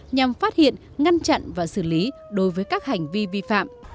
nhằm phát hiện ngăn chặn và xử lý đối với các hành vi vi phạm